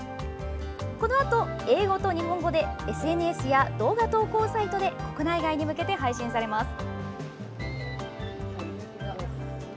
このあと、英語と日本語でＳＮＳや動画投稿サイトで国内外に向けて配信されます。